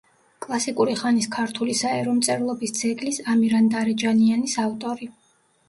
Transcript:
კლასიკური ხანის ქართული საერო მწერლობის ძეგლის „ამირანდარეჯანიანის“ ავტორი.